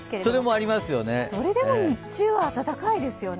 それでも日中は暖かいですよね。